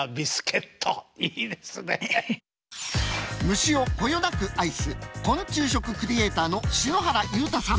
虫をこよなく愛す昆虫食クリエーターの篠原祐太さん。